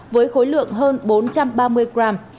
với khối lượng hơn bốn trăm ba mươi gram